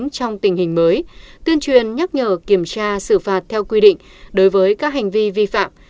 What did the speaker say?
trong tình hình mới tuyên truyền nhắc nhở kiểm tra xử phạt theo quy định đối với các hành vi vi phạm